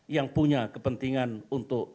yang punya kepentingan untuk